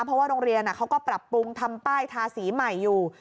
เพราะว่าโรงเรียนเขาก็ปรับปรุงทำป้ายทาสีใหม่อยู่